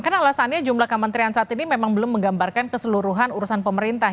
karena alasannya jumlah kementerian saat ini memang belum menggambarkan keseluruhan urusan pemerintah